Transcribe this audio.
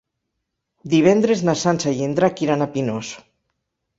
Divendres na Sança i en Drac iran a Pinós.